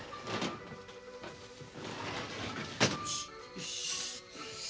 よし。